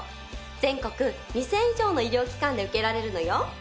全国２０００以上の医療機関で受けられるのよ。